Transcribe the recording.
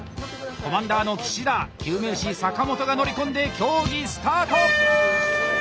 コマンダーの岸田救命士・坂本が乗り込んで競技スタート！